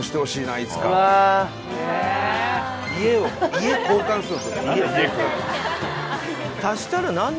家交換する。